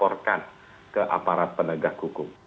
laporkan ke aparat penegak hukum